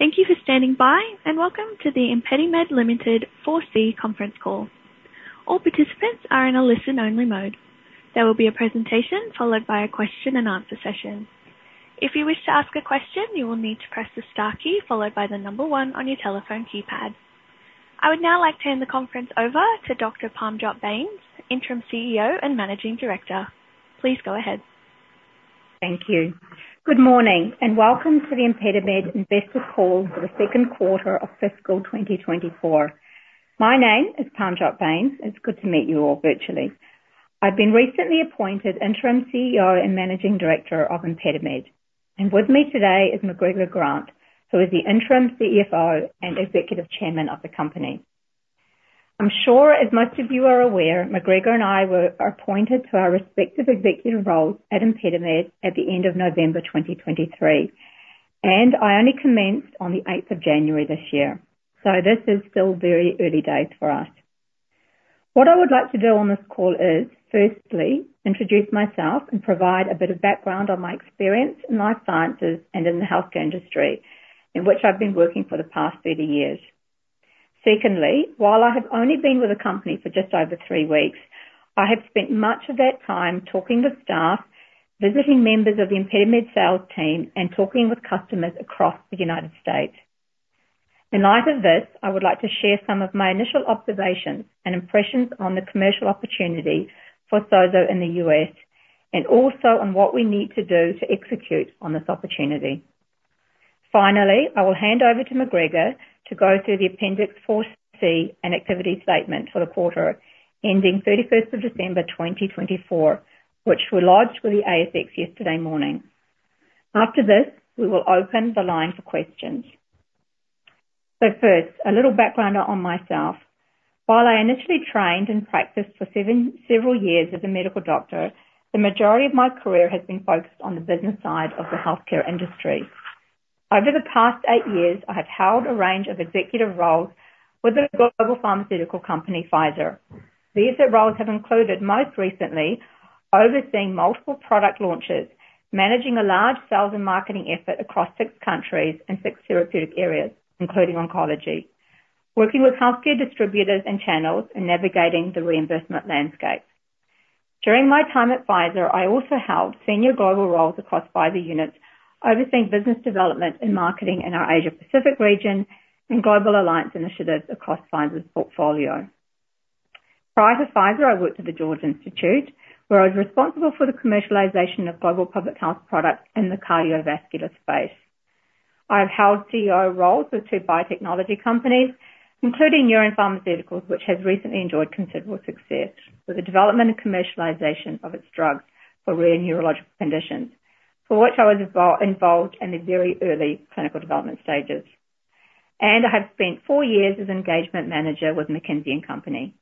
Thank you for standing by, and welcome to the ImpediMed Limited 4C Conference Call. All participants are in a listen-only mode. There will be a presentation followed by a question-and-answer session. If you wish to ask a question, you will need to press the star key followed by the number one on your telephone keypad. I would now like to hand the conference over to Dr. Parmjot Bains, Interim CEO and Managing Director. Please go ahead. Thank you. Good morning, and welcome to the ImpediMed Investor Call for the Second Quarter of Fiscal 2024. My name is Parmjot Bains. It's good to meet you all virtually. I've been recently appointed Interim CEO and Managing Director of ImpediMed, and with me today is McGregor Grant, who is the Interim CFO and Executive Chairman of the company. I'm sure, as most of you are aware, McGregor and I were appointed to our respective executive roles at ImpediMed at the end of November 2023, and I only commenced on the eighth of January this year. So this is still very early days for us. What I would like to do on this call is, firstly, introduce myself and provide a bit of background on my experience in life sciences and in the healthcare industry, in which I've been working for the past 30 years. Secondly, while I have only been with the company for just over three weeks, I have spent much of that time talking to staff, visiting members of the ImpediMed sales team, and talking with customers across the United States. In light of this, I would like to share some of my initial observations and impressions on the commercial opportunity for SOZO in the U.S., and also on what we need to do to execute on this opportunity. Finally, I will hand over to McGregor to go through the Appendix 4C and activity statement for the quarter ending thirty-first of December 2024, which were lodged with the ASX yesterday morning. After this, we will open the line for questions. First, a little background on myself. While I initially trained and practiced for several years as a medical doctor, the majority of my career has been focused on the business side of the healthcare industry. Over the past 8 years, I have held a range of executive roles with a global pharmaceutical company, Pfizer. These roles have included, most recently, overseeing multiple product launches, managing a large sales and marketing effort across six countries and six therapeutic areas, including oncology, working with healthcare distributors and channels, and navigating the reimbursement landscape. During my time at Pfizer, I also held senior global roles across Pfizer units, overseeing business development and marketing in our Asia-Pacific region and global alliance initiatives across Pfizer's portfolio. Prior to Pfizer, I worked at the George Institute, where I was responsible for the commercialization of global public health products in the cardiovascular space. I have held CEO roles with two biotechnology companies, including Neuren Pharmaceuticals, which has recently enjoyed considerable success with the development and commercialization of its drugs for rare neurological conditions, for which I was involved in the very early clinical development stages. I have spent four years as Engagement Manager with McKinsey & Company.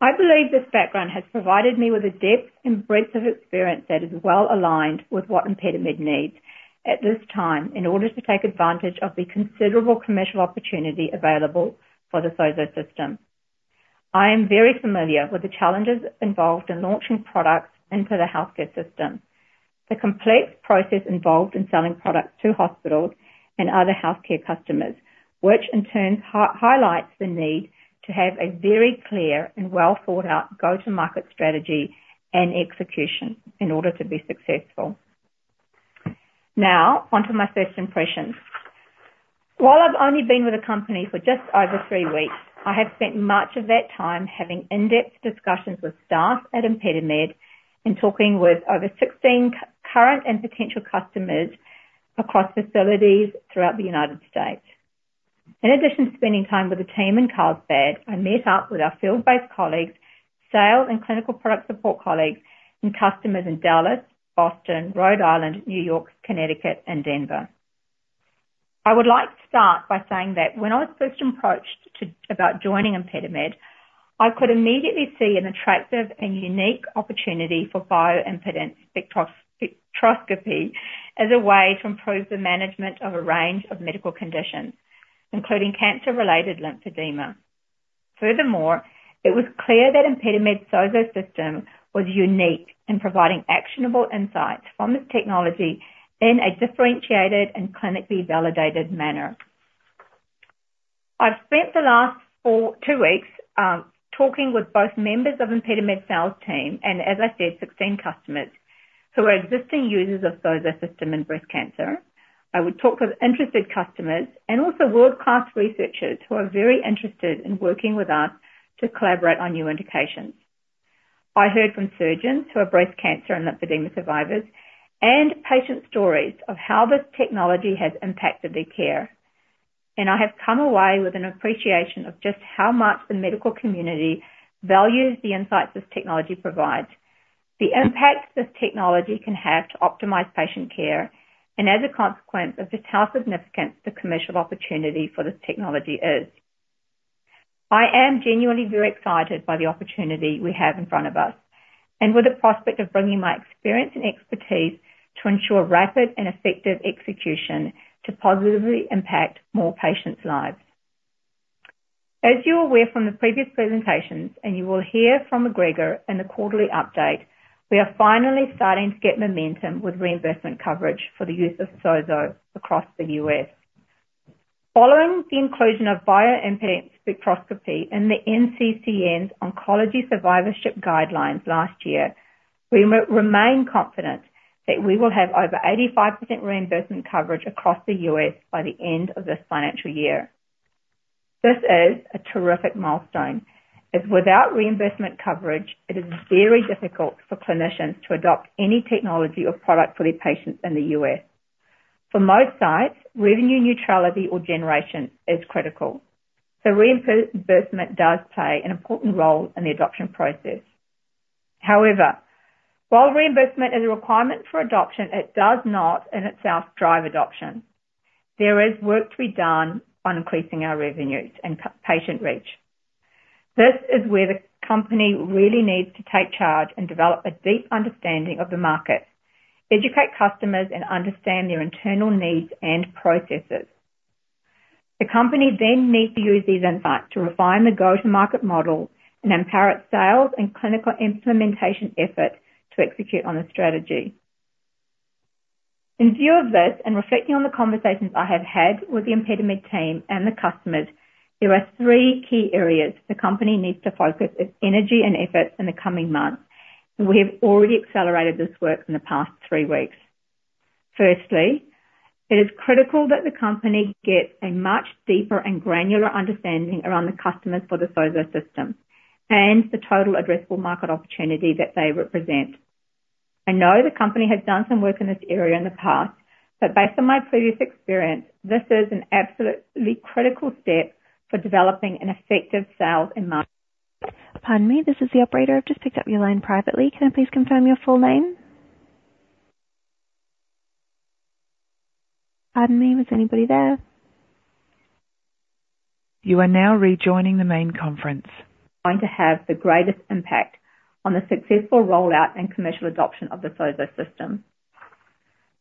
I believe this background has provided me with a depth and breadth of experience that is well aligned with what ImpediMed needs at this time in order to take advantage of the considerable commercial opportunity available for the SOZO System. I am very familiar with the challenges involved in launching products into the healthcare system, the complex process involved in selling products to hospitals and other healthcare customers, which in turn highlights the need to have a very clear and well-thought-out go-to-market strategy and execution in order to be successful. Now, onto my first impressions. While I've only been with the company for just over three weeks, I have spent much of that time having in-depth discussions with staff at ImpediMed and talking with over 16 current and potential customers across facilities throughout the United States. In addition to spending time with the team in Carlsbad, I met up with our field-based colleagues, sales and clinical product support colleagues, and customers in Dallas, Boston, Rhode Island, New York, Connecticut, and Denver. I would like to start by saying that when I was first approached about joining ImpediMed, I could immediately see an attractive and unique opportunity for bioimpedance spectroscopy as a way to improve the management of a range of medical conditions, including cancer-related lymphedema. Furthermore, it was clear that ImpediMed's SOZO System was unique in providing actionable insights from this technology in a differentiated and clinically validated manner. I've spent the last two weeks talking with both members of ImpediMed sales team and, as I said, 16 customers who are existing users of SOZO System in breast cancer. I would talk with interested customers and also world-class researchers who are very interested in working with us to collaborate on new indications. I heard from surgeons who are breast cancer and lymphedema survivors, and patient stories of how this technology has impacted their care. I have come away with an appreciation of just how much the medical community values the insights this technology provides, the impact this technology can have to optimize patient care, and as a consequence of just how significant the commercial opportunity for this technology is. I am genuinely very excited by the opportunity we have in front of us, and with the prospect of bringing my experience and expertise to ensure rapid and effective execution to positively impact more patients' lives... As you are aware from the previous presentations, and you will hear from McGregor in the quarterly update, we are finally starting to get momentum with reimbursement coverage for the use of SOZO across the U.S. Following the inclusion of bioimpedance spectroscopy in the NCCN's Oncology Survivorship Guidelines last year, we remain confident that we will have over 85% reimbursement coverage across the U.S. by the end of this financial year. This is a terrific milestone, as without reimbursement coverage, it is very difficult for clinicians to adopt any technology or product for their patients in the U.S. For most sites, revenue neutrality or generation is critical, so reimbursement does play an important role in the adoption process. However, while reimbursement is a requirement for adoption, it does not in itself drive adoption. There is work to be done on increasing our revenues and patient reach. This is where the company really needs to take charge and develop a deep understanding of the market, educate customers, and understand their internal needs and processes. The company then needs to use these insights to refine the go-to-market model and empower its sales and clinical implementation efforts to execute on the strategy. In view of this, and reflecting on the conversations I have had with the ImpediMed team and the customers, there are three key areas the company needs to focus its energy and efforts in the coming months, and we have already accelerated this work in the past three weeks. Firstly, it is critical that the company get a much deeper and granular understanding around the customers for the SOZO System and the total addressable market opportunity that they represent. I know the company has done some work in this area in the past, but based on my previous experience, this is an absolutely critical step for developing an effective sales and marketing— Pardon me. This is the operator. I've just picked up your line privately. Can I please confirm your full name? Pardon me, is anybody there? You are now rejoining the main conference. Going to have the greatest impact on the successful rollout and commercial adoption of the SOZO System.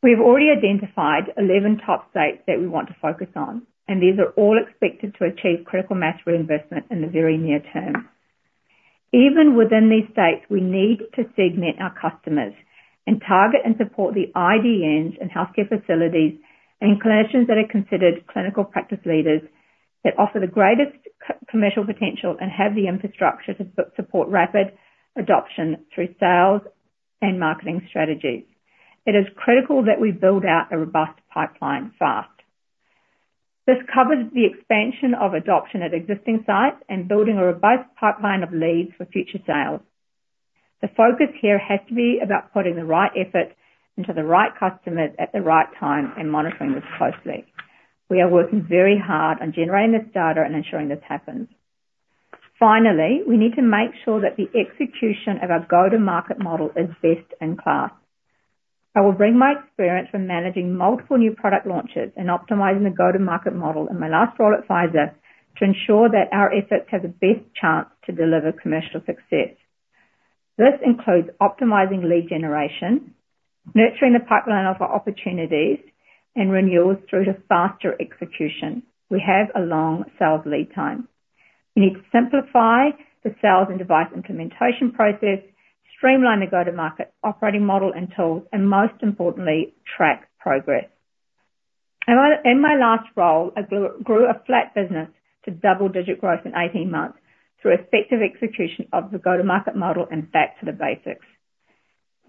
We've already identified 11 top states that we want to focus on, and these are all expected to achieve critical mass reimbursement in the very near term. Even within these states, we need to segment our customers and target and support the IDNs and healthcare facilities and clinicians that are considered clinical practice leaders that offer the greatest commercial potential and have the infrastructure to support rapid adoption through sales and marketing strategies. It is critical that we build out a robust pipeline fast. This covers the expansion of adoption at existing sites and building a robust pipeline of leads for future sales. The focus here has to be about putting the right effort into the right customers at the right time and monitoring this closely. We are working very hard on generating this data and ensuring this happens. Finally, we need to make sure that the execution of our go-to-market model is best in class. I will bring my experience from managing multiple new product launches and optimizing the go-to-market model in my last role at Pfizer to ensure that our efforts have the best chance to deliver commercial success. This includes optimizing lead generation, nurturing the pipeline of opportunities, and renewals through to faster execution. We have a long sales lead time. We need to simplify the sales and device implementation process, streamline the go-to-market operating model and tools, and most importantly, track progress. In my last role, I grew a flat business to double-digit growth in 18 months through effective execution of the go-to-market model and back to the basics.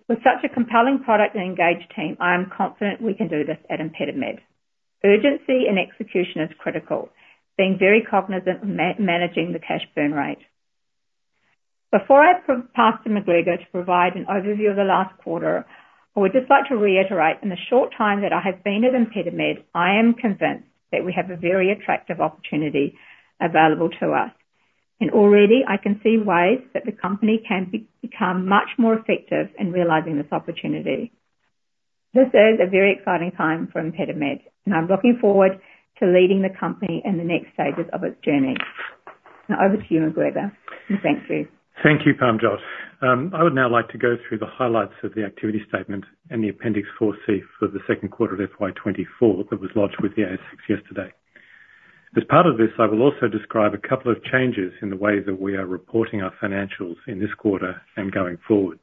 With such a compelling product and engaged team, I am confident we can do this at ImpediMed. Urgency and execution is critical, being very cognizant of managing the cash burn rate. Before I pass to McGregor to provide an overview of the last quarter, I would just like to reiterate, in the short time that I have been at ImpediMed, I am convinced that we have a very attractive opportunity available to us, and already I can see ways that the company can become much more effective in realizing this opportunity. This is a very exciting time for ImpediMed, and I'm looking forward to leading the company in the next stages of its journey. Now over to you, McGregor, and thank you. Thank you, Parmjot. I would now like to go through the highlights of the activity statement and the Appendix 4C for the second quarter of FY 2024 that was lodged with the ASX yesterday. As part of this, I will also describe a couple of changes in the way that we are reporting our financials in this quarter and going forward.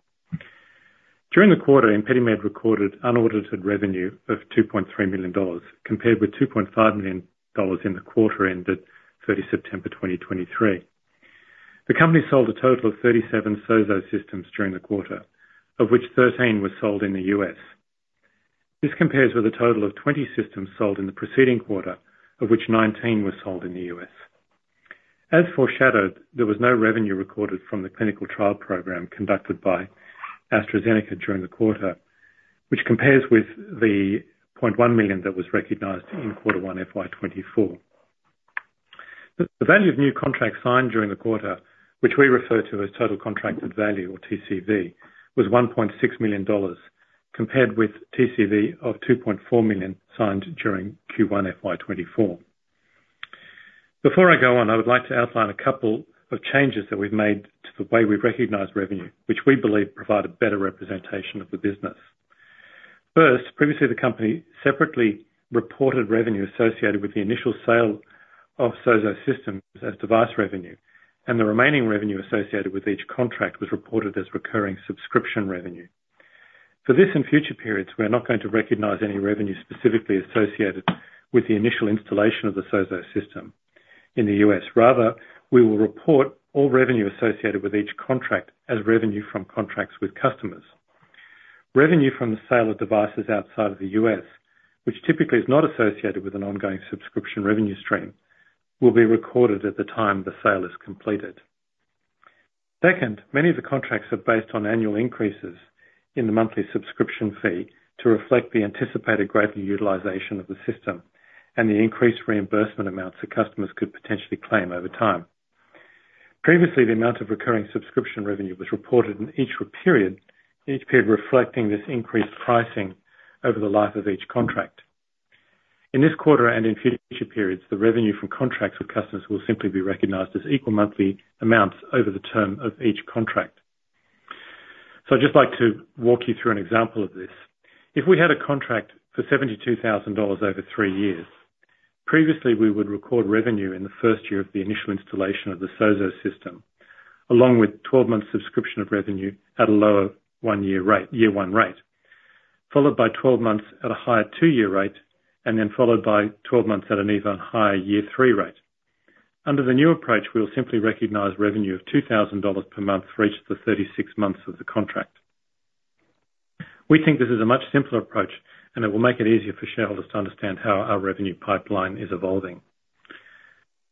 During the quarter, ImpediMed recorded unaudited revenue of 2.3 million dollars, compared with 2.5 million dollars in the quarter ended 30 September 2023. The company sold a total of 37 SOZO systems during the quarter, of which 13 were sold in the U.S. This compares with a total of 20 systems sold in the preceding quarter, of which 19 were sold in the U.S. As foreshadowed, there was no revenue recorded from the clinical trial program conducted by AstraZeneca during the quarter, which compares with the $0.1 million that was recognized in quarter one, FY 2024. The value of new contracts signed during the quarter, which we refer to as total contracted value or TCV, was $1.6 million, compared with TCV of $2.4 million signed during Q1 FY 2024. Before I go on, I would like to outline a couple of changes that we've made to the way we recognize revenue, which we believe provide a better representation of the business. First, previously, the company separately reported revenue associated with the initial sale of SOZO System as device revenue, and the remaining revenue associated with each contract was reported as recurring subscription revenue. For this, in future periods, we are not going to recognize any revenue specifically associated with the initial installation of the SOZO System in the U.S. Rather, we will report all revenue associated with each contract as revenue from contracts with customers. Revenue from the sale of devices outside of the U.S., which typically is not associated with an ongoing subscription revenue stream, will be recorded at the time the sale is completed. Second, many of the contracts are based on annual increases in the monthly subscription fee to reflect the anticipated greater utilization of the system and the increased reimbursement amounts that customers could potentially claim over time. Previously, the amount of recurring subscription revenue was reported in each period, each period reflecting this increased pricing over the life of each contract. In this quarter and in future periods, the revenue from contracts with customers will simply be recognized as equal monthly amounts over the term of each contract. So I'd just like to walk you through an example of this. If we had a contract for $72,000 over 3 years, previously, we would record revenue in the first year of the initial installation of the SOZO System, along with 12 months subscription of revenue at a lower 1-year rate-- year 1 rate, followed by 12 months at a higher 2-year rate, and then followed by 12 months at an even higher year 3 rate. Under the new approach, we'll simply recognize revenue of $2,000 per month for each of the 36 months of the contract. We think this is a much simpler approach, and it will make it easier for shareholders to understand how our revenue pipeline is evolving.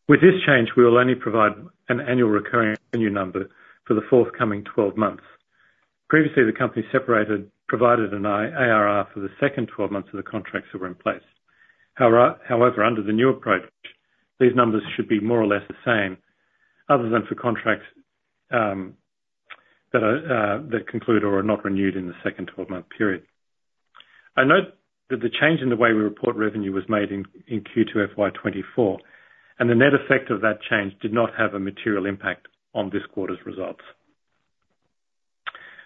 With this change, we will only provide an annual recurring revenue number for the forthcoming 12 months. Previously, the company separated, provided an ARR for the second 12 months of the contracts that were in place. However, under the new approach, these numbers should be more or less the same, other than for contracts that conclude or are not renewed in the second 12-month period. I note that the change in the way we report revenue was made in Q2 FY 2024, and the net effect of that change did not have a material impact on this quarter's results.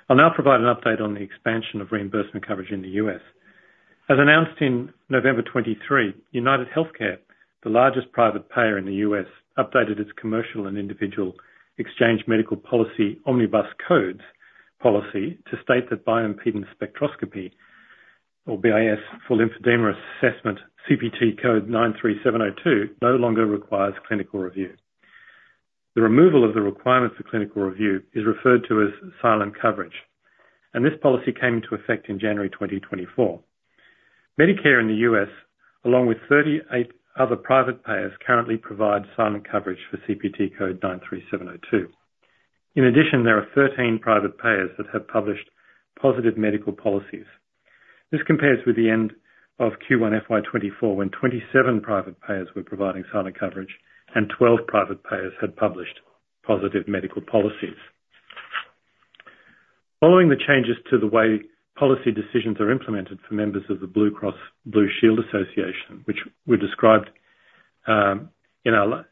I'll now provide an update on the expansion of reimbursement coverage in the US. As announced in November 2023, UnitedHealthcare, the largest private payer in the US, updated its commercial and individual exchange medical policy, Omnibus Codes policy, to state that bioimpedance spectroscopy, or BIS, for lymphedema assessment, CPT code 93702, no longer requires clinical review. The removal of the requirements for clinical review is referred to as silent coverage, and this policy came into effect in January 2024. Medicare in the US, along with 38 other private payers, currently provide silent coverage for CPT code 93702. In addition, there are 13 private payers that have published positive medical policies. This compares with the end of Q1 FY 2024, when 27 private payers were providing silent coverage and 12 private payers had published positive medical policies. Following the changes to the way policy decisions are implemented for members of the Blue Cross Blue Shield Association, which were described in our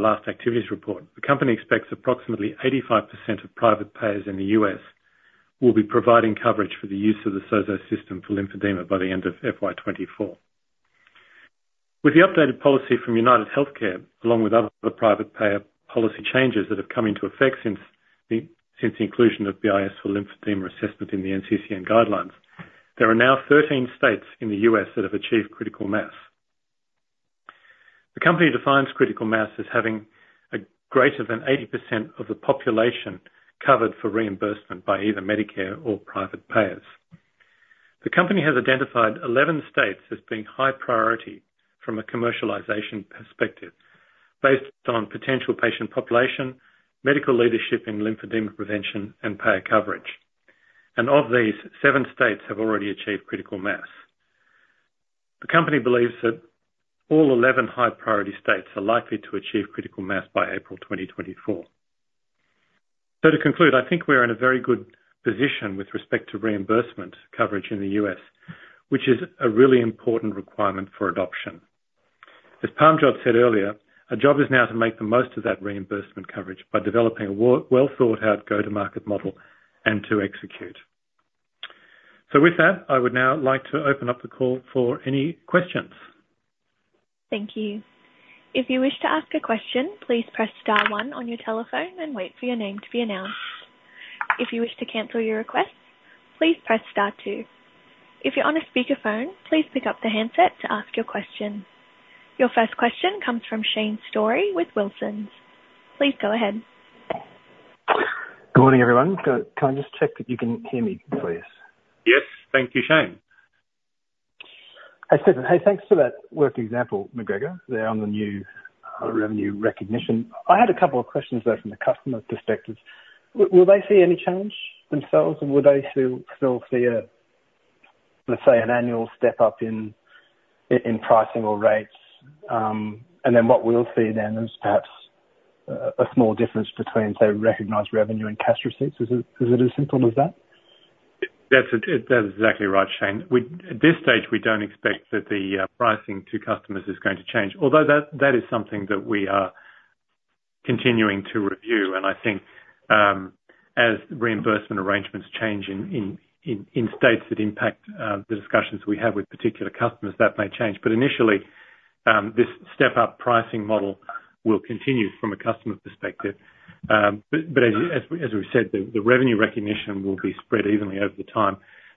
last activities report, the company expects approximately 85% of private payers in the US will be providing coverage for the use of the SOZO System for lymphedema by the end of FY 2024. With the updated policy from UnitedHealthcare, along with other private payer policy changes that have come into effect since the inclusion of BIS for lymphedema assessment in the NCCN guidelines, there are now 13 states in the US that have achieved critical mass. The company defines critical mass as having a greater than 80% of the population covered for reimbursement by either Medicare or private payers. The company has identified 11 states as being high priority from a commercialization perspective, based on potential patient population, medical leadership in lymphedema prevention, and payer coverage. Of these, seven states have already achieved critical mass. The company believes that all 11 high priority states are likely to achieve critical mass by April 2024. To conclude, I think we're in a very good position with respect to reimbursement coverage in the US, which is a really important requirement for adoption. As Parmjot said earlier, our job is now to make the most of that reimbursement coverage by developing a well, well-thought-out go-to-market model and to execute. With that, I would now like to open up the call for any questions. Thank you. If you wish to ask a question, please press star one on your telephone and wait for your name to be announced. If you wish to cancel your request, please press star two. If you're on a speakerphone, please pick up the handset to ask your question. Your first question comes from Shane Storey with Wilsons. Please go ahead. Good morning, everyone. Can I just check that you can hear me, please? Yes. Thank you, Shane. Hey, Steffen. Hey, thanks for that work example, McGregor, there on the new revenue recognition. I had a couple of questions, though, from the customer's perspective. Will they see any change themselves, or will they still see a, let's say, an annual step up in pricing or rates? And then what we'll see then is perhaps a small difference between, say, recognized revenue and cash receipts. Is it as simple as that? That's exactly right, Shane. At this stage, we don't expect that the pricing to customers is going to change, although that is something that we are continuing to review, and I think, as reimbursement arrangements change in states that impact the discussions we have with particular customers, that may change. But initially, this step-up pricing model will continue from a customer perspective. But as we said, the revenue recognition will be spread evenly over the time.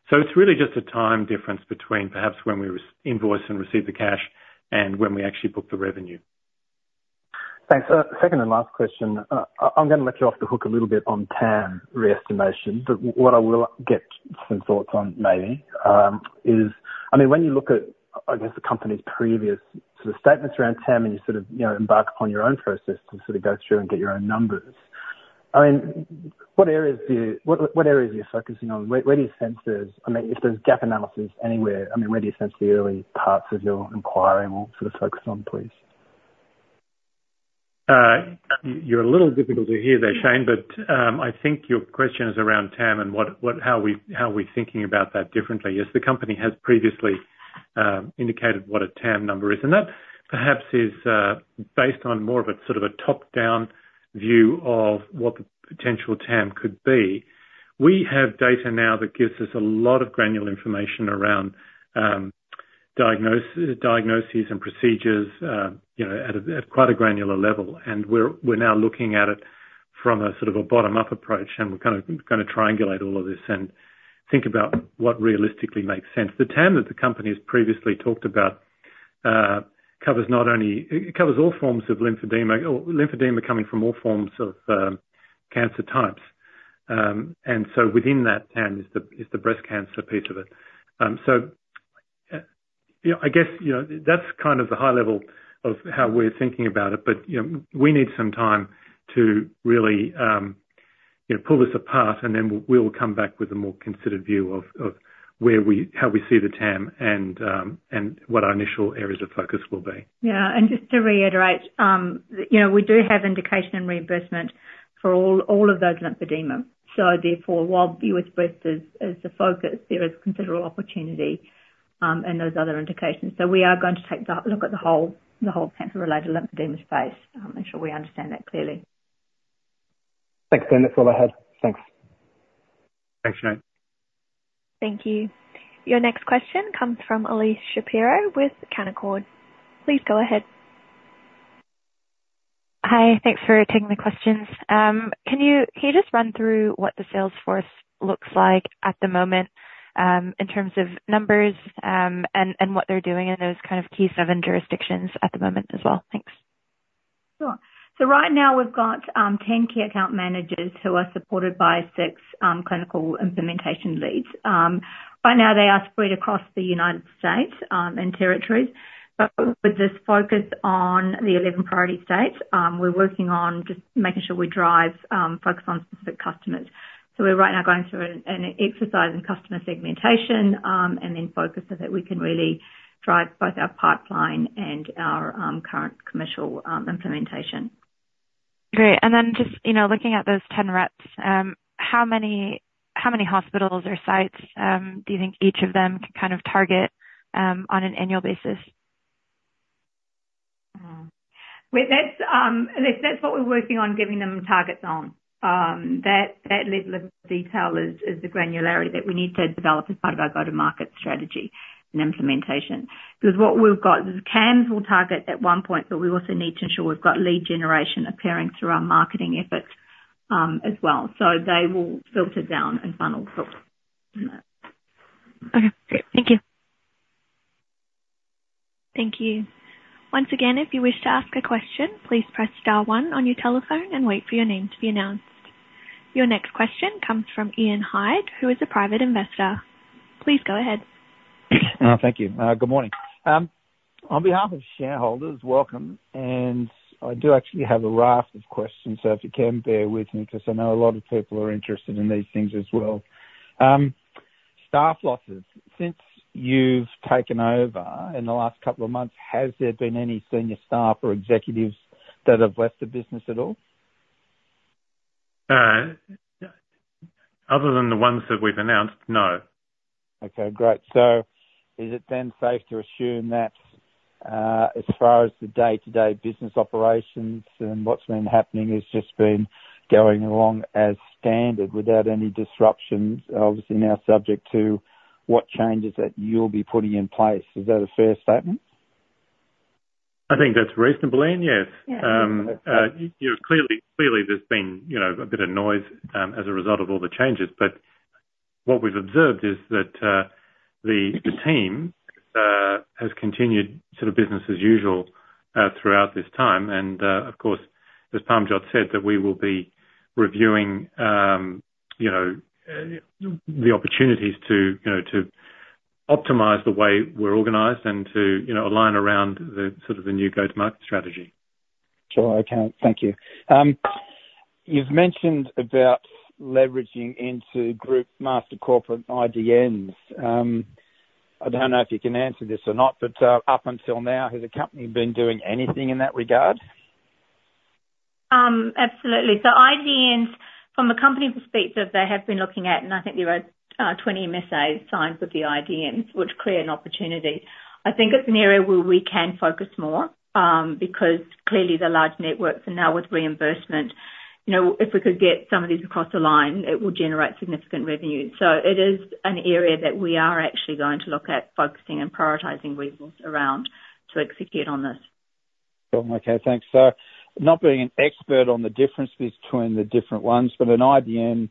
So it's really just a time difference between perhaps when we re-invoice and receive the cash and when we actually book the revenue. Thanks. Second and last question. I'm gonna let you off the hook a little bit on TAM re-estimation, but what I will get some thoughts on maybe is—I mean, when you look at, I guess, the company's previous sort of statements around TAM, and you sort of, you know, embark upon your own process to sort of go through and get your own numbers, I mean, what areas are you focusing on? Where do you sense there's—I mean, if there's gap analysis anywhere, I mean, where do you sense the early parts of your inquiry will sort of focus on, please? You're a little difficult to hear there, Shane, but, I think your question is around TAM and what, what, how are we, how are we thinking about that differently? Yes, the company has previously indicated what a TAM number is, and that perhaps is based on more of a sort of a top-down view of what the potential TAM could be. We have data now that gives us a lot of granular information around diagnoses and procedures, you know, at a, at quite a granular level. And we're now looking at it from a sort of a bottom-up approach, and we're gonna triangulate all of this and think about what realistically makes sense. The TAM that the company has previously talked about covers not only... It covers all forms of lymphedema, or lymphedema coming from all forms of cancer types. So within that TAM is the breast cancer piece of it. You know, I guess, you know, that's kind of the high level of how we're thinking about it. But, you know, we need some time to really, you know, pull this apart, and then we'll come back with a more considered view of where we, how we see the TAM and what our initial areas of focus will be. Yeah, and just to reiterate, you know, we do have indication and reimbursement for all of those lymphedema. So therefore, while U.S. breast is the focus, there is considerable opportunity in those other indications. So we are going to take that look at the whole cancer-related lymphedema space, make sure we understand that clearly. Thanks, then. That's all I had. Thanks. Thanks, Shane. Thank you. Your next question comes from Elyse Shapiro with Canaccord. Please go ahead. Hi, thanks for taking the questions. Can you just run through what the sales force looks like at the moment, in terms of numbers, and what they're doing in those kind of key seven jurisdictions at the moment as well? Thanks. Sure. So right now we've got 10 key account managers who are supported by six clinical implementation leads. Right now they are spread across the United States and territories. But with this focus on the 11 priority states, we're working on just making sure we drive focus on specific customers. So we're right now going through an exercise in customer segmentation and then focus so that we can really drive both our pipeline and our current commercial implementation. Great. And then just, you know, looking at those 10 reps, how many, how many hospitals or sites, do you think each of them can kind of target, on an annual basis? Well, that's what we're working on giving them targets on. That level of detail is the granularity that we need to develop as part of our go-to-market strategy and implementation. Because what we've got is KAMs will target at one point, but we also need to ensure we've got lead generation appearing through our marketing efforts, as well. So they will filter down and funnel from that. Okay, great. Thank you. Thank you. Once again, if you wish to ask a question, please press star one on your telephone and wait for your name to be announced. Your next question comes from Ian Hyde, who is a private investor. Please go ahead. Thank you. Good morning. On behalf of shareholders, welcome, and I do actually have a raft of questions, so if you can bear with me, 'cause I know a lot of people are interested in these things as well. Staff losses. Since you've taken over in the last couple of months, has there been any senior staff or executives that have left the business at all? Other than the ones that we've announced, no. Okay, great. So is it then safe to assume that, as far as the day-to-day business operations and what's been happening, it's just been going along as standard without any disruptions, obviously now subject to what changes that you'll be putting in place. Is that a fair statement? I think that's reasonable, Ian, yes. Yeah. You know, clearly, clearly there's been, you know, a bit of noise as a result of all the changes, but what we've observed is that the team has continued sort of business as usual throughout this time. Of course, as Parmjot said, that we will be reviewing, you know, the opportunities to, you know, to optimize the way we're organized and to, you know, align around the sort of the new go-to-market strategy. Sure, I can. Thank you. You've mentioned about leveraging into group master corporate IDNs. I don't know if you can answer this or not, but up until now, has the company been doing anything in that regard? Absolutely. So IDNs from the company perspective, they have been looking at, and I think there are 20 MSAs signed with the IDNs, which create an opportunity. I think it's an area where we can focus more, because clearly the large networks are now with reimbursement. You know, if we could get some of these across the line, it will generate significant revenue. So it is an area that we are actually going to look at focusing and prioritizing resource around to execute on this. Okay, thanks. So not being an expert on the differences between the different ones, but an IDN,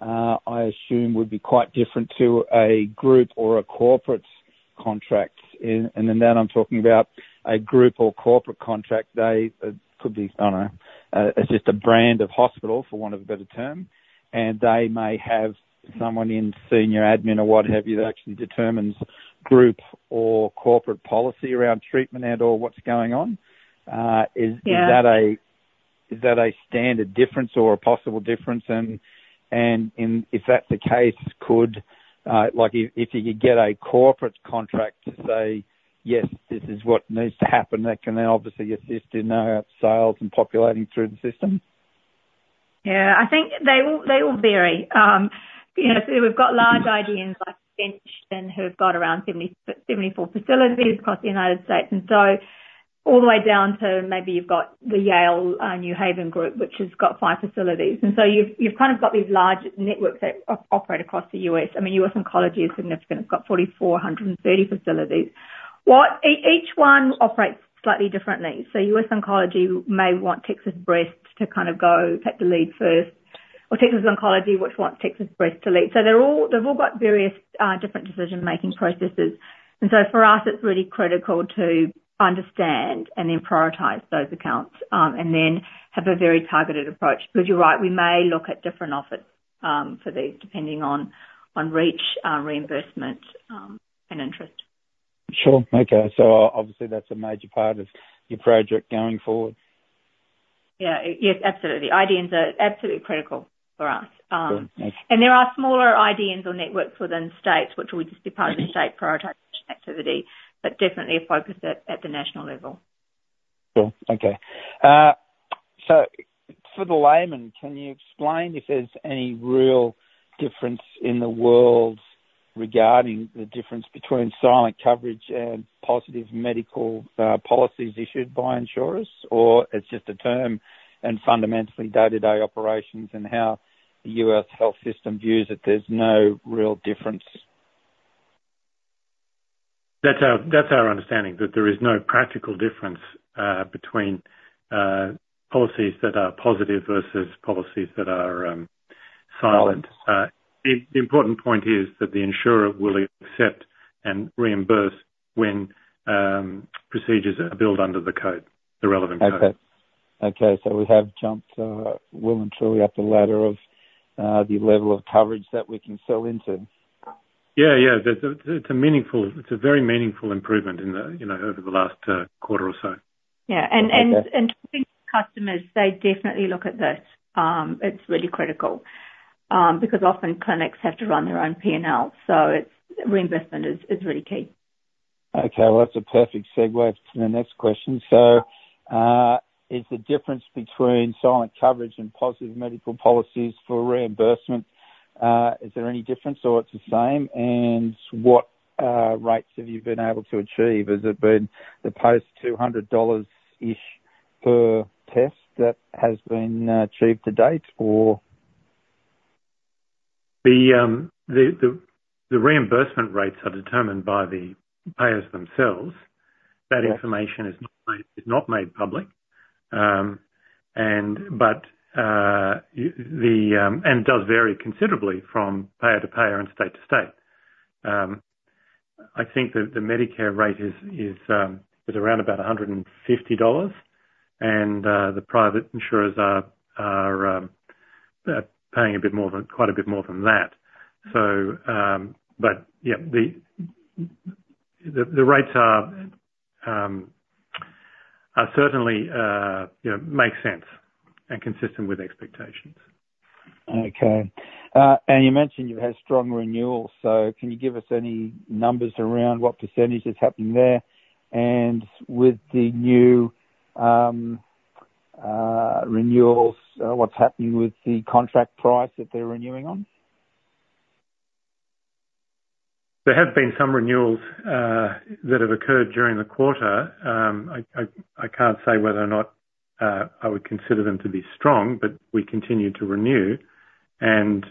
I assume would be quite different to a group or a corporate contract. And in that I'm talking about a group or corporate contract, they could be, I don't know, it's just a brand of hospital, for want of a better term, and they may have someone in senior admin or what have you, that actually determines group or corporate policy around treatment and/or what's going on. Yeah. Is that a standard difference or a possible difference? And if that's the case, could, like if you get a corporate contract to say, "Yes, this is what needs to happen," that can then obviously assist in sales and populating through the system? Yeah, I think they all, they all vary. You know, so we've got large IDNs like Bench, and who've got around 70-74 facilities across the United States, and so all the way down to maybe you've got the Yale New Haven group, which has got five facilities. And so you've, you've kind of got these large networks that operate across the U.S. I mean, US Oncology is significant. It's got 4,430 facilities. Each one operates slightly differently. So US Oncology may want Texas Breast to kind of go take the lead first, or Texas Oncology, which wants Texas Breast to lead. So they're all, they've all got various different decision making processes. And so for us, it's really critical to understand and then prioritize those accounts, and then have a very targeted approach. Because you're right, we may look at different offers, for these, depending on reach, reimbursement, and interest. Sure. Okay. Obviously, that's a major part of your project going forward. Yeah. Yes, absolutely. IDNs are absolutely critical for us. Sure, thanks. There are smaller IDNs or networks within states, which will just be part of the state prioritization activity, but definitely a focus at the national level. Cool. Okay. So for the layman, can you explain if there's any real difference in the world regarding the difference between silent coverage and positive medical policies issued by insurers? Or it's just a term and fundamentally day-to-day operations, and how the U.S. health system views it, there's no real difference. That's our, that's our understanding, that there is no practical difference between policies that are positive versus policies that are silent. Silent. The important point is that the insurer will accept and reimburse when procedures are billed under the code, the relevant code. Okay. Okay, so we have jumped, well and truly up the ladder of, the level of coverage that we can sell into? Yeah, yeah. That's- it's a meaningful—it's a very meaningful improvement in the, you know, over the last quarter or so. Yeah. Okay. Customers, they definitely look at this. It's really critical because often clinics have to run their own P&L, so reimbursement is really key. Okay, well, that's a perfect segue to the next question. So, is the difference between silent coverage and positive medical policies for reimbursement, is there any difference or it's the same? And what, rates have you been able to achieve? Has it been the post $200-ish per test that has been, achieved to date, or? The reimbursement rates are determined by the payers themselves. Okay. That information is not made public. It does vary considerably from payer to payer and state to state. I think that the Medicare rate is around about $150, and the private insurers are paying a bit more than—quite a bit more than that. So, but yeah, the rates are certainly, you know, make sense and consistent with expectations. Okay. You mentioned you've had strong renewals, so can you give us any numbers around what percentage is happening there? With the new renewals, what's happening with the contract price that they're renewing on? There have been some renewals that have occurred during the quarter. I can't say whether or not I would consider them to be strong, but we continue to renew, and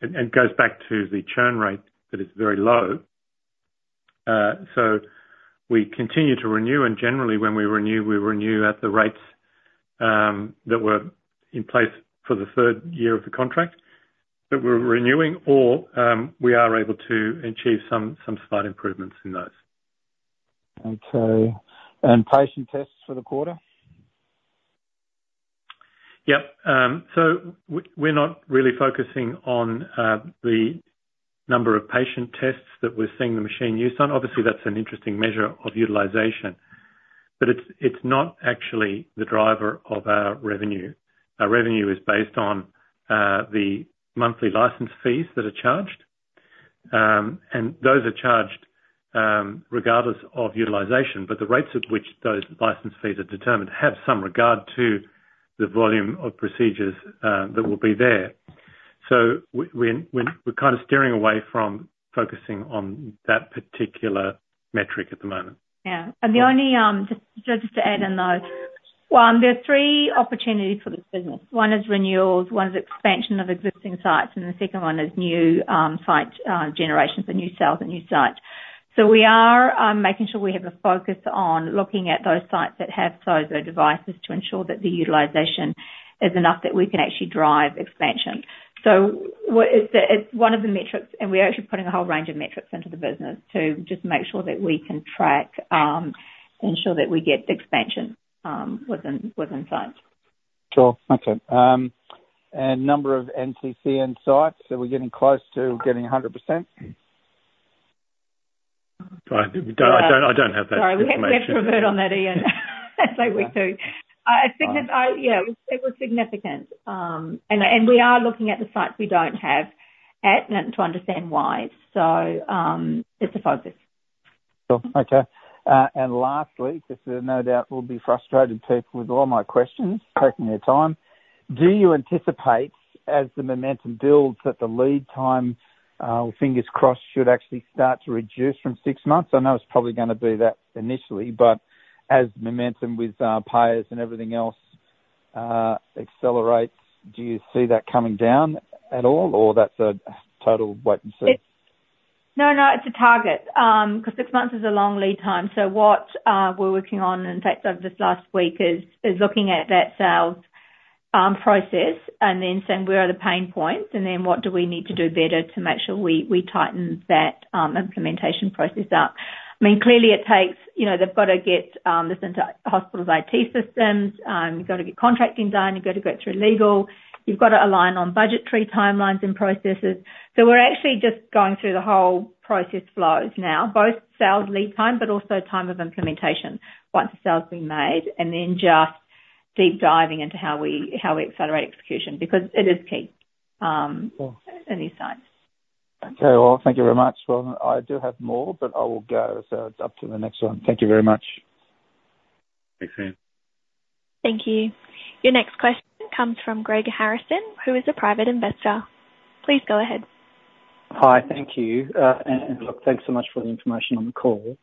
it goes back to the churn rate that is very low. So we continue to renew, and generally when we renew, we renew at the rates that were in place for the third year of the contract that we're renewing or we are able to achieve some slight improvements in those. Okay. And patient tests for the quarter? Yep. So we're not really focusing on the number of patient tests that we're seeing the machine used on. Obviously, that's an interesting measure of utilization, but it's not actually the driver of our revenue. Our revenue is based on the monthly license fees that are charged. And those are charged regardless of utilization, but the rates at which those license fees are determined have some regard to the volume of procedures that will be there. So we're kind of steering away from focusing on that particular metric at the moment. Yeah. And the only, just, just to add in though, well, there are three opportunities for this business. One is renewals, one is expansion of existing sites, and the second one is new site generations and new sales and new sites. So we are making sure we have a focus on looking at those sites that have SOZO devices to ensure that the utilization is enough, that we can actually drive expansion. So it's, it's one of the metrics, and we're actually putting a whole range of metrics into the business to just make sure that we can track, ensure that we get expansion, within sites. Sure. Okay. And number of NCCN sites, are we getting close to getting 100%? I don't have that information. Sorry, we have to revert on that, Ian. So we do. Yeah, it was significant. And we are looking at the sites we don't have at, and to understand why. So, it's a focus. Cool. Okay. And lastly, because there no doubt will be frustrated people with all my questions, taking their time: Do you anticipate, as the momentum builds, that the lead time, fingers crossed, should actually start to reduce from six months? I know it's probably gonna be that initially, but as the momentum with payers and everything else accelerates, do you see that coming down at all, or that's a total wait and see? No, no, it's a target. 'Cause six months is a long lead time. So what we're working on, in fact, over this last week is looking at that sales process and then saying, where are the pain points? And then what do we need to do better to make sure we tighten that implementation process up? I mean, clearly it takes... You know, they've got to get this into hospital's IT systems. You've got to get contracting done, you've got to go through legal, you've got to align on budgetary timelines and processes. So we're actually just going through the whole process flows now, both sales lead time, but also time of implementation, once the sale's been made, and then just deep diving into how we accelerate execution, because it is key in these sites. Okay. Well, thank you very much. Well, I do have more, but I will go, so it's up to the next one. Thank you very much. Thanks, Ian. Thank you. Your next question comes from Greg Harrison, who is a private investor. Please go ahead. Hi. Thank you. And look, thanks so much for the information on the call.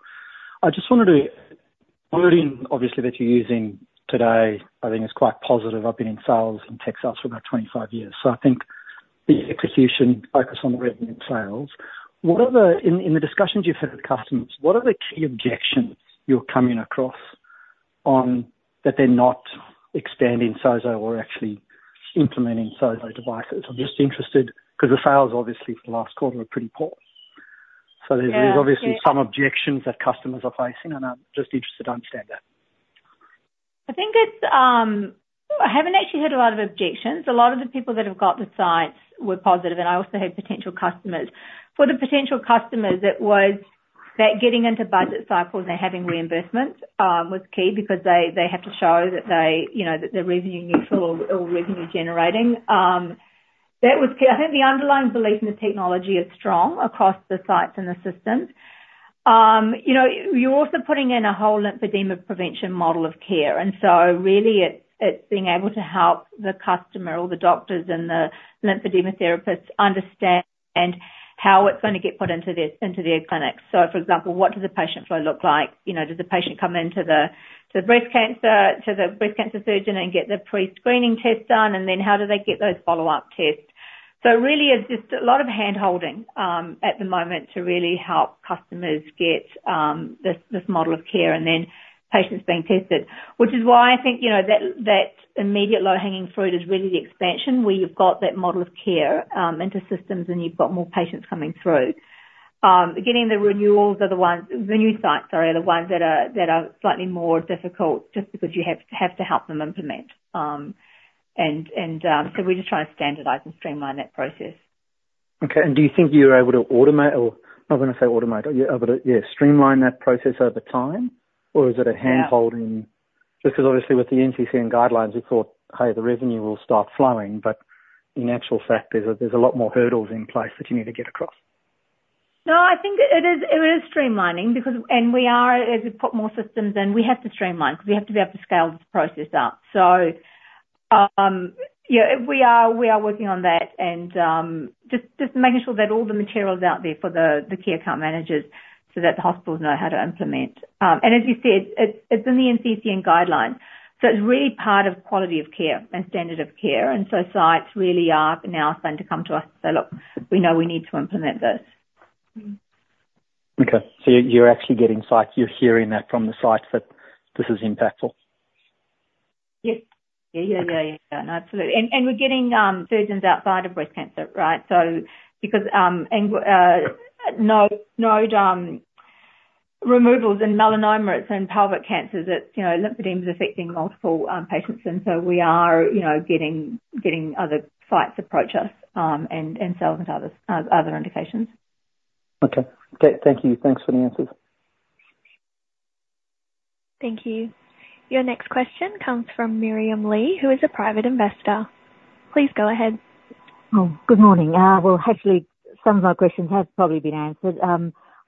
I just wanted to—wording, obviously, that you're using today, I think is quite positive. I've been in sales and tech sales for about 25 years, so I think the execution focus on the revenue sales. What are the—in the discussions you've had with customers, what are the key objections you're coming across on, that they're not expanding SOZO or actually implementing SOZO devices? I'm just interested, because the sales, obviously, for the last quarter are pretty poor. Yeah. There's obviously some objections that customers are facing, and I'm just interested to understand that. I think it's. I haven't actually heard a lot of objections. A lot of the people that have got the sites were positive, and I also had potential customers. For the potential customers, it was that getting into budget cycles and having reimbursements was key because they, they have to show that they, you know, that they're revenue neutral or, or revenue generating. That was key. I think the underlying belief in the technology is strong across the sites and the systems. You know, you're also putting in a whole lymphedema prevention model of care, and so really, it's, it's being able to help the customer or the doctors and the lymphedema therapists understand how it's gonna get put into their, into their clinics. So for example, what does the patient flow look like? You know, does the patient come into the breast cancer surgeon and get the pre-screening test done, and then how do they get those follow-up tests? So really, it's just a lot of handholding at the moment to really help customers get this model of care and then patients being tested. Which is why I think, you know, that immediate low-hanging fruit is really the expansion, where you've got that model of care into systems, and you've got more patients coming through. Getting the renewals are the ones, the new sites, sorry, are the ones that are slightly more difficult just because you have to help them implement. So we're just trying to standardize and streamline that process. Okay. And do you think you're able to automate or, not gonna say automate, are you able to, yeah, streamline that process over time? Yeah. Or is it a handholding? Because obviously with the NCCN guidelines, we thought, hey, the revenue will start flowing, but in actual fact, there's a lot more hurdles in place that you need to get across. No, I think it is, it is streamlining because... And we are, as we put more systems in, we have to streamline because we have to be able to scale this process up. So, yeah, we are, we are working on that and, just, just making sure that all the materials are out there for the key account managers so that the hospitals know how to implement. And as you said, it's, it's in the NCCN guidelines, so it's really part of quality of care and standard of care, and so sites really are now starting to come to us and say: Look, we know we need to implement this. Okay. So you, you're actually getting sites, you're hearing that from the sites that this is impactful? Yep. Yeah, yeah, yeah. Absolutely. And, and we're getting surgeons outside of breast cancer, right? So because and node node removals and melanomas and pelvic cancers, it's, you know, lymphedema is affecting multiple patients, and so we are, you know, getting getting other sites approach us, and, and sales and others other indications. Okay. Great. Thank you. Thanks for the answers. Thank you. Your next question comes from Miriam Lee, who is a private investor. Please go ahead. Oh, good morning. Well, actually, some of my questions have probably been answered.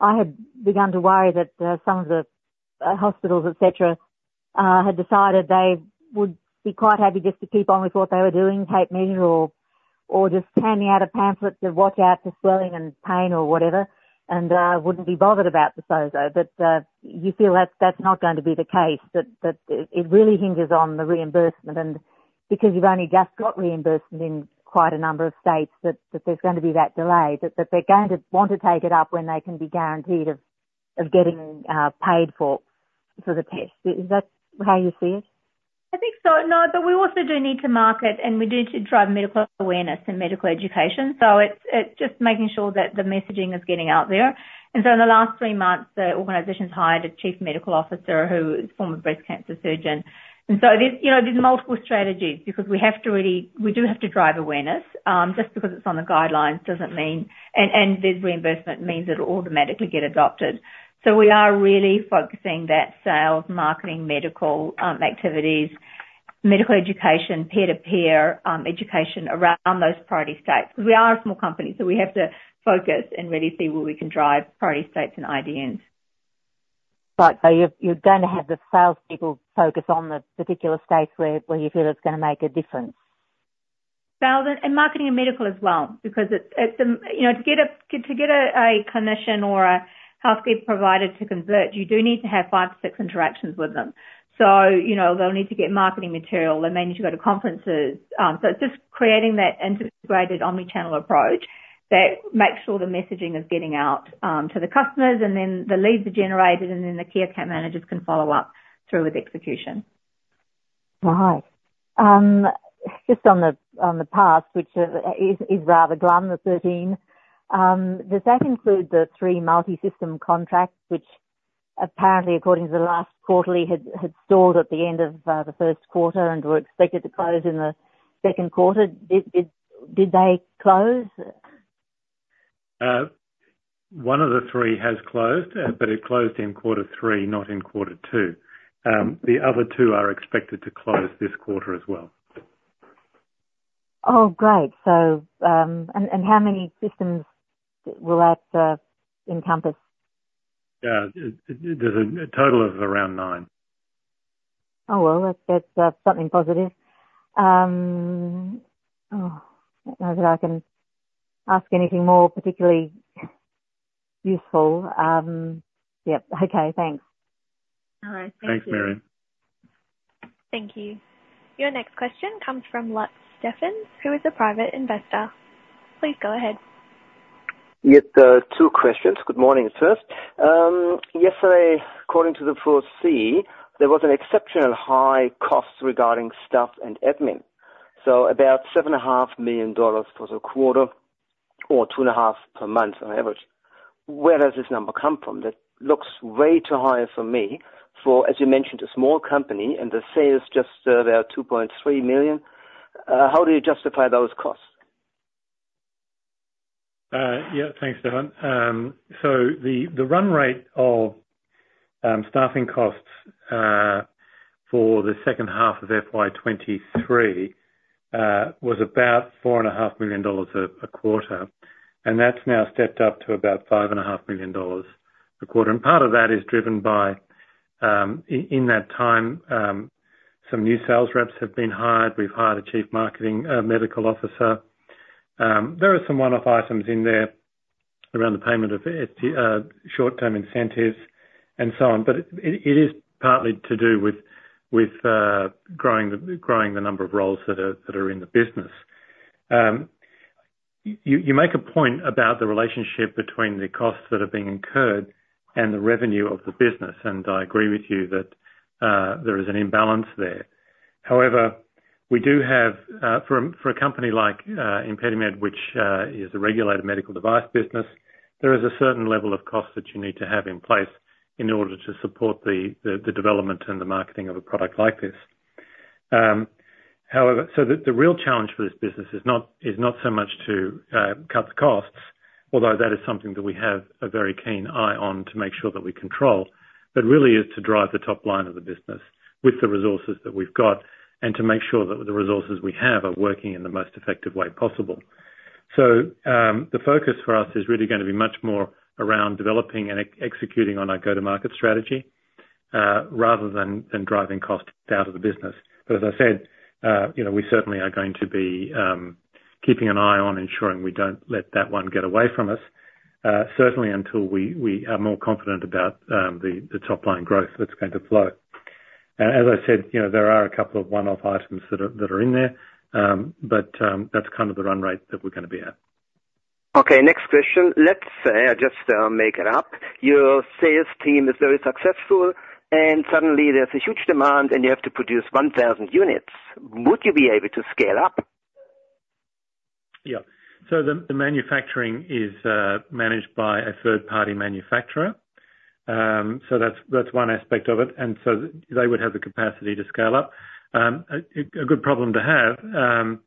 I had begun to worry that some of the hospitals, et cetera, had decided they would be quite happy just to keep on with what they were doing, tape measure, or just handing out a pamphlet to watch out for swelling and pain or whatever, and wouldn't be bothered about the SOZO. But you feel that's not going to be the case, that it really hinges on the reimbursement, and because you've only just got reimbursement in quite a number of states, that there's going to be that delay, that they're going to want to take it up when they can be guaranteed of getting paid for the test. Is that how you see it? I think so. No, but we also do need to market, and we do to drive medical awareness and medical education, so it's, it's just making sure that the messaging is getting out there. And so in the last three months, the organization's hired a Chief Medical Officer who is former breast cancer surgeon. And so there's, you know, there's multiple strategies because we have to really, we do have to drive awareness. Just because it's on the guidelines doesn't mean... And, and this reimbursement means it'll automatically get adopted. So we are really focusing that sales, marketing, medical, activities, medical education, peer-to-peer, education around those priority states. Because we are a small company, so we have to focus and really see where we can drive priority states and IDNs. Right. So you're going to have the salespeople focus on the particular states where you feel it's going to make a difference? Sales and marketing and medical as well, because it's you know, to get a clinician or a healthcare provider to convert, you do need to have 5-6 interactions with them. So, you know, they'll need to get marketing material. They may need to go to conferences. So it's just creating that integrated omni-channel approach that makes sure the messaging is getting out to the customers, and then the leads are generated, and then the KAMs can follow up through with execution. Right. Just on the past, which is rather glum, the 13, does that include the 3 multi-system contracts, which apparently, according to the last quarterly, had stalled at the end of the first quarter and were expected to close in the second quarter? Did they close? One of the three has closed, but it closed in quarter three, not in quarter two. The other two are expected to close this quarter as well. Oh, great. So, how many systems will that encompass? There's a total of around nine. Oh, well, that's something positive. Oh, I don't know that I can ask anything more particularly useful. Yep. Okay, thanks. All right. Thank you. Thanks, Miriam. Thank you. Your next question comes from Lutz Steffen, who is a private investor. Please go ahead. Yes, two questions. Good morning, first. Yesterday, according to Appendix 4C, there was an exceptional high cost regarding staff and admin, so about 7.5 million dollars for the quarter, or 2.5 per month on average. Where does this number come from? That looks way too high for me, for, as you mentioned, a small company and the sales just, about 2.3 million. How do you justify those costs? Yeah, thanks, Steffen. So the run rate of staffing costs for the second half of FY 2023 was about 4.5 million dollars a quarter, and that's now stepped up to about 5.5 million dollars a quarter. And part of that is driven by, in that time, some new sales reps have been hired. We've hired a chief marketing medical officer. There are some one-off items in there around the payment of short-term incentives and so on, but it is partly to do with growing the number of roles that are in the business. You make a point about the relationship between the costs that are being incurred and the revenue of the business, and I agree with you that there is an imbalance there. However, we do have for a company like Impedimed, which is a regulated medical device business, there is a certain level of cost that you need to have in place in order to support the development and the marketing of a product like this. However, the real challenge for this business is not so much to cut the costs, although that is something that we have a very keen eye on to make sure that we control, but really is to drive the top line of the business with the resources that we've got, and to make sure that the resources we have are working in the most effective way possible. The focus for us is really gonna be much more around developing and executing on our go-to-market strategy, rather than driving costs out of the business. But as I said, you know, we certainly are going to be keeping an eye on ensuring we don't let that one get away from us, certainly until we are more confident about the top line growth that's going to flow. And as I said, you know, there are a couple of one-off items that are in there, but that's kind of the run rate that we're gonna be at. Okay, next question. Let's say I just make it up. Your sales team is very successful, and suddenly there's a huge demand, and you have to produce 1000 units. Would you be able to scale up? Yeah. So the manufacturing is managed by a third-party manufacturer. So that's one aspect of it, and so they would have the capacity to scale up. A good problem to have,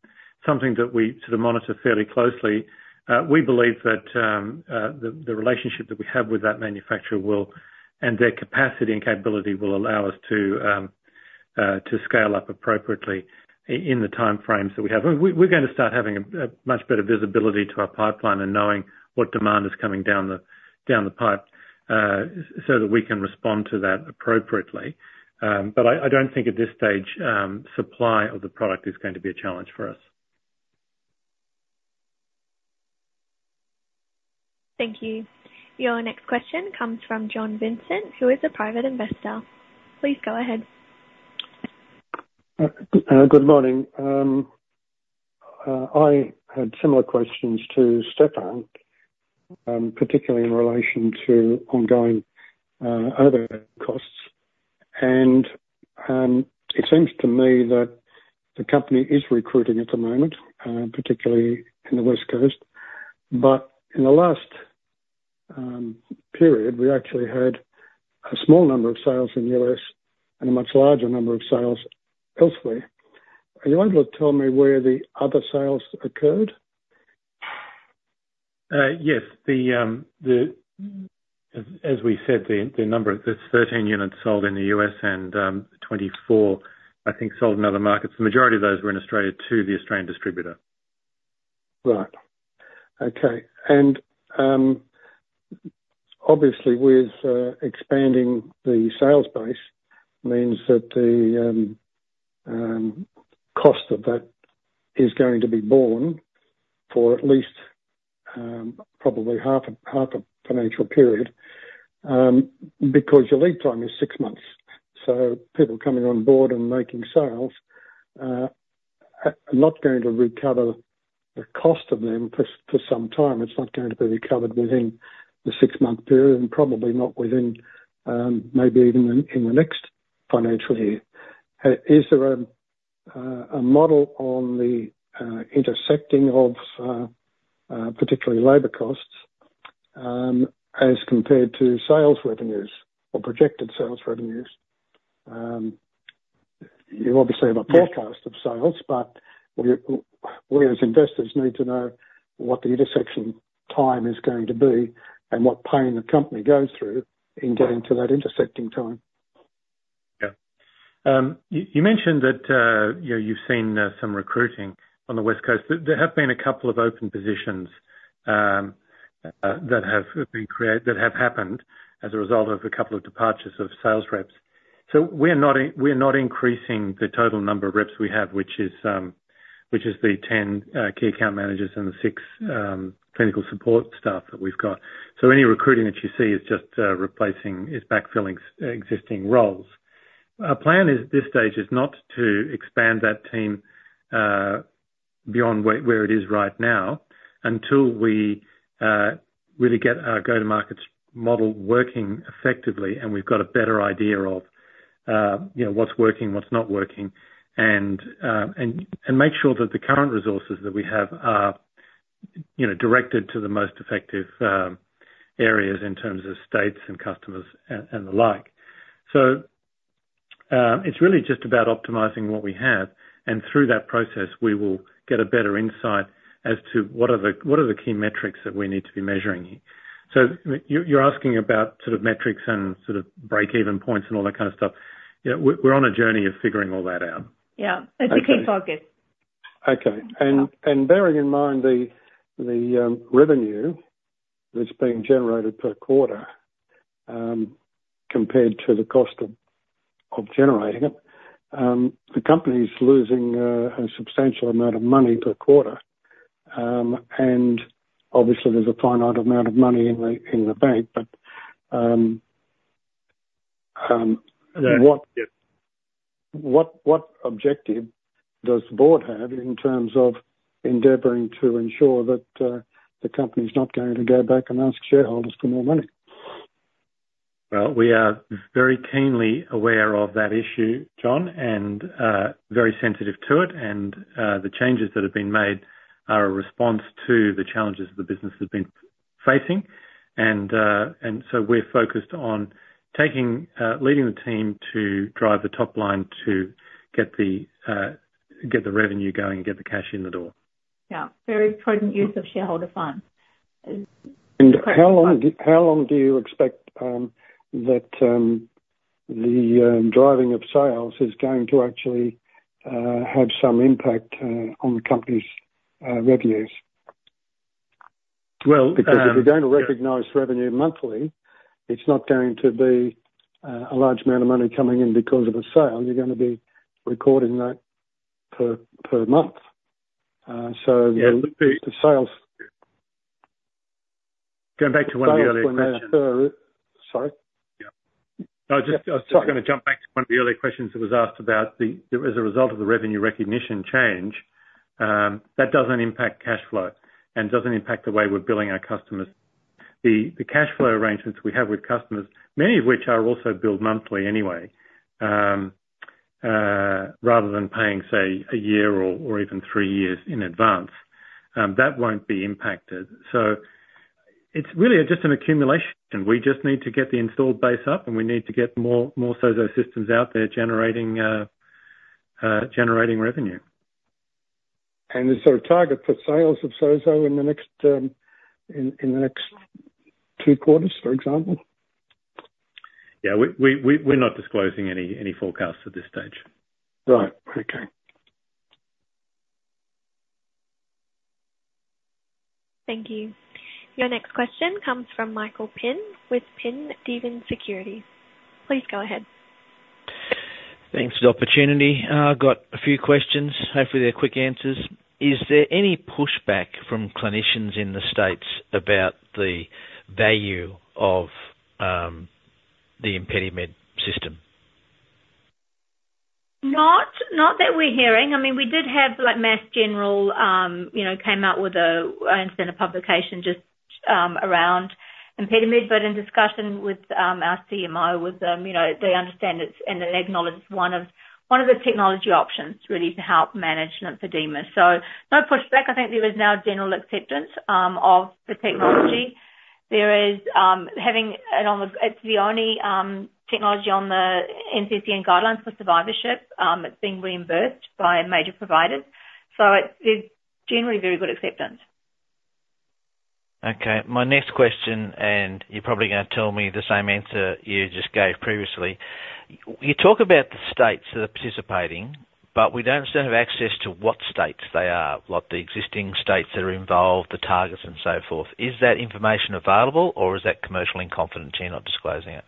something that we sort of monitor fairly closely. We believe that the relationship that we have with that manufacturer will, and their capacity and capability will allow us to scale up appropriately in the time frames that we have. We're gonna start having a much better visibility to our pipeline and knowing what demand is coming down the pipe, so that we can respond to that appropriately. But I don't think at this stage, supply of the product is going to be a challenge for us. Thank you. Your next question comes from John Vincent, who is a private investor. Please go ahead. Good morning. I had similar questions to Stefan, particularly in relation to ongoing other costs. And, it seems to me that the company is recruiting at the moment, particularly in the West Coast, but in the last period, we actually had a small number of sales in the U.S. and a much larger number of sales elsewhere. Are you able to tell me where the other sales occurred? Yes. As we said, the number, there's 13 units sold in the US and twenty-four, I think sold in other markets. The majority of those were in Australia to the Australian distributor. Right. Okay. And, obviously with, expanding the sales base means that the, cost of that is going to be borne for at least, probably half a, half a financial period, because your lead time is six months. So people coming on board and making sales, are not going to recover the cost of them for, for some time. It's not going to be recovered within the six-month period, and probably not within, maybe even in, in the next financial year. Is there a, a model on the, intersecting of, particularly labor costs, as compared to sales revenues or projected sales revenues? You obviously have a forecast— Yes. Of sales, but we as investors need to know what the intersection time is going to be and what pain the company goes through in getting to that intersecting time. Yeah. You mentioned that, you know, you've seen some recruiting on the West Coast. There have been a couple of open positions that have happened as a result of a couple of departures of sales reps. So we're not increasing the total number of reps we have, which is the 10 key account managers and the 6 clinical support staff that we've got. So any recruiting that you see is just replacing, is backfilling existing roles. Our plan is, this stage, is not to expand that team beyond where it is right now, until we really get our go-to-market model working effectively, and we've got a better idea of, you know, what's working, what's not working, and make sure that the current resources that we have are, you know, directed to the most effective areas in terms of states and customers and the like. So, it's really just about optimizing what we have, and through that process, we will get a better insight as to what the key metrics that we need to be measuring. So you're asking about sort of metrics and sort of breakeven points and all that kind of stuff. You know, we're on a journey of figuring all that out. Yeah. Okay. It's a key focus. Okay. And bearing in mind the revenue that's being generated per quarter, compared to the cost of generating it, the company's losing a substantial amount of money per quarter. And obviously there's a finite amount of money in the bank, but— Yeah. Yes What objective does the board have in terms of endeavoring to ensure that the company's not going to go back and ask shareholders for more money? Well, we are very keenly aware of that issue, John, and very sensitive to it. And, and so we're focused on leading the team to drive the top line, to get the revenue going and get the cash in the door. Yeah. Very prudent use of shareholder funds. How long do you expect that the driving of sales is going to actually have some impact on the company's revenues? Well, uh— Because if you're going to recognize revenue monthly, it's not going to be a large amount of money coming in because of a sale. You're gonna be recording that per month. So— Yeah. The sales. Going back to one of the earlier questions. Sorry. Yeah. I was just— Sorry? I was just gonna jump back to one of the earlier questions that was asked about the, as a result of the revenue recognition change, that doesn't impact cash flow and doesn't impact the way we're billing our customers. The cash flow arrangements we have with customers, many of which are also billed monthly anyway, rather than paying, say, a year or even three years in advance, that won't be impacted. So it's really just an accumulation. We just need to get the installed base up, and we need to get more SOZO Systems out there generating revenue. Is there a target for sales of SOZO in the next two quarters, for example? Yeah, we're not disclosing any forecasts at this stage. Right. Okay. Thank you. Your next question comes from Michael Pinn with Pinn Deavin Securities. Please go ahead. Thanks for the opportunity. Got a few questions. Hopefully, they're quick answers. Is there any pushback from clinicians in the States about the value of the ImpediMed system? Not that we're hearing. I mean, we did have, like, Mass General, you know, came out with a recent publication just around ImpediMed. But in discussion with our CMO with them, you know, they understand it's, and they acknowledge it's one of the technology options really to help manage lymphedema. So no pushback. I think there is now general acceptance of the technology. There is, and on the NCCN guidelines for survivorship, that's being reimbursed by major providers. So it's generally very good acceptance. Okay, my next question, and you're probably gonna tell me the same answer you just gave previously. You talk about the states that are participating, but we don't sort of have access to what states they are, like, the existing states that are involved, the targets, and so forth. Is that information available, or is that commercial in confidence, you're not disclosing it?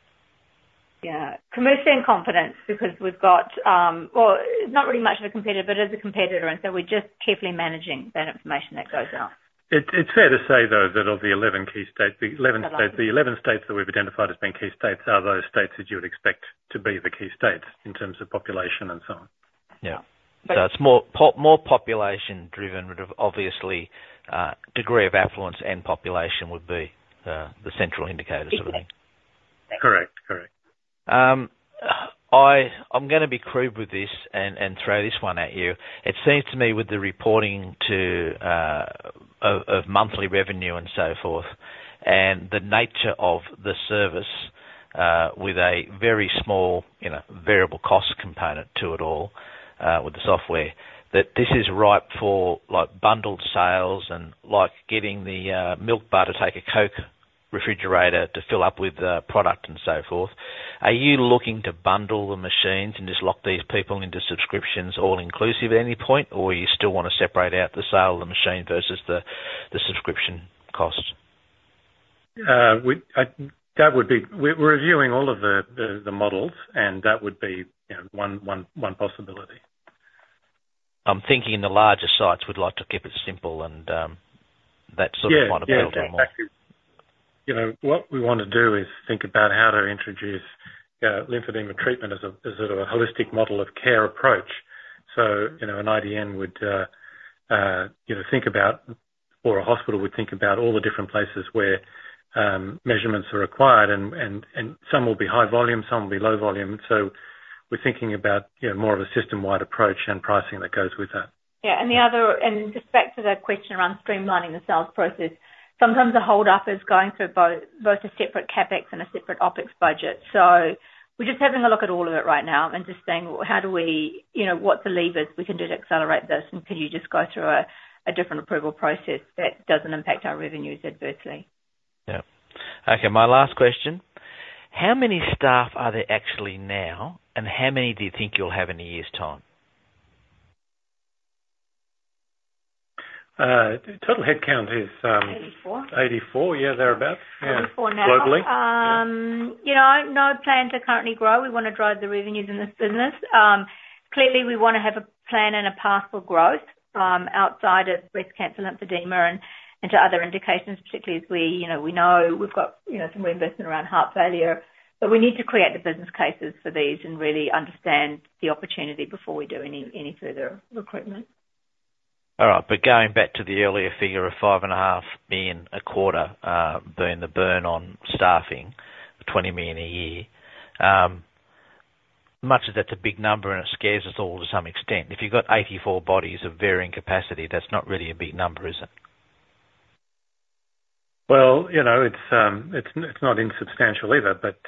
Yeah, commercial in confidence, because we've got... Well, not really much of a competitor, but as a competitor, and so we're just carefully managing that information that goes out. It's fair to say, though, that of the 11 key states that we've identified as being key states are those states that you would expect to be the key states in terms of population and so on. Yeah. So it's more population driven, would have obviously, degree of affluence and population would be, the central indicator sort of thing. Exactly. Correct. Correct. I'm gonna be crude with this and throw this one at you. It seems to me with the reporting of monthly revenue and so forth, and the nature of the service with a very small, you know, variable cost component to it all with the software, that this is ripe for, like, bundled sales and like getting the milk bar to take a Coke refrigerator to fill up with the product and so forth. Are you looking to bundle the machines and just lock these people into subscriptions all inclusive at any point, or you still wanna separate out the sale of the machine versus the subscription costs? That would be—we're reviewing all of the models, and that would be, you know, one possibility. I'm thinking the larger sites would like to keep it simple, and, that sort of model— Yeah. Yeah, exactly. You know, what we want to do is think about how to introduce lymphedema treatment as a, as sort of a holistic model of care approach. So, you know, an IDN would, you know, think about, or a hospital would think about all the different places where measurements are required and some will be high volume, some will be low volume. So we're thinking about, you know, more of a system-wide approach and pricing that goes with that. Yeah, and just back to the question around streamlining the sales process, sometimes the hold up is going through both a separate CapEx and a separate OpEx budget. So we're just having a look at all of it right now and just saying: Well, how do we—you know, what's the levers we can do to accelerate this? And can you just go through a different approval process that doesn't impact our revenues adversely? Yeah. Okay, my last question: How many staff are there actually now, and how many do you think you'll have in a year's time? Total headcount is— 84? 84. Yeah, thereabout. 84 now. Globally. You know, no plan to currently grow. We wanna drive the revenues in this business. Clearly, we wanna have a plan and a path for growth outside of breast cancer, lymphedema and to other indications, particularly as we, you know, we know we've got, you know, some reinvestment around heart failure. But we need to create the business cases for these and really understand the opportunity before we do any further recruitment. All right, but going back to the earlier figure of 5.5 million a quarter, burn, the burn on staffing, 20 million a year, much of that's a big number, and it scares us all to some extent. If you've got 84 bodies of varying capacity, that's not really a big number, is it? Well, you know, it's not insubstantial either, but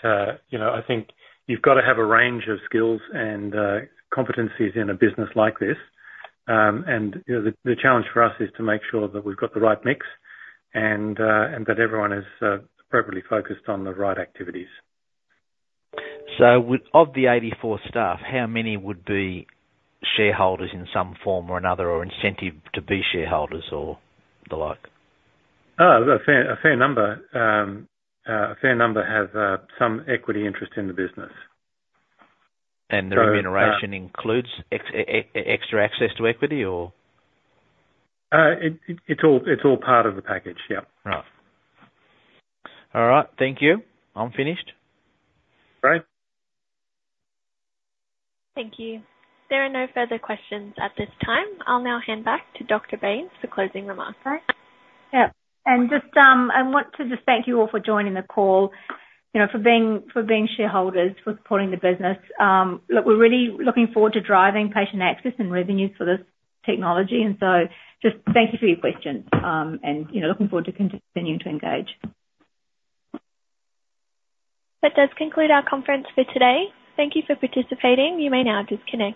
you know, I think you've got to have a range of skills and competencies in a business like this. And you know, the challenge for us is to make sure that we've got the right mix and that everyone is appropriately focused on the right activities. So of the 84 staff, how many would be shareholders in some form or another, or incentive to be shareholders or the like? A fair, a fair number. A fair number have some equity interest in the business. So, The remuneration includes extra access to equity or? It's all part of the package. Yep. Right. All right. Thank you. I'm finished. Great. Thank you. There are no further questions at this time. I'll now hand back to Dr. Bains for closing remarks. Yeah. And just, I want to just thank you all for joining the call, you know, for being, for being shareholders, for supporting the business. Look, we're really looking forward to driving patient access and revenues for this technology, and so just thank you for your questions, and, you know, looking forward to continuing to engage. That does conclude our conference for today. Thank you for participating. You may now disconnect.